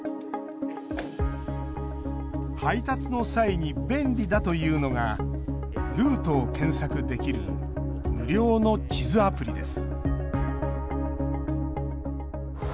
配達の際に便利だというのがルートを検索できる無料の地図アプリです